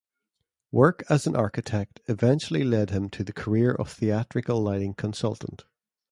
Work as an architect eventually led him to the career of theatrical lighting consultant.